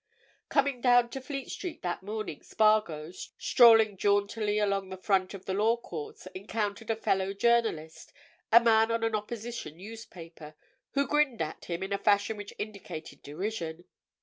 Coming down to Fleet Street that morning, Spargo, strolling jauntily along the front of the Law Courts, encountered a fellow journalist, a man on an opposition newspaper, who grinned at him in a fashion which indicated derision.